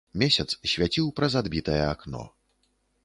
Месяц свяціў праз адбітае акно.